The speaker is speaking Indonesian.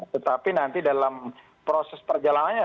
tetapi nanti dalam proses perjalanannya